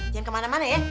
jangan kemana mana ya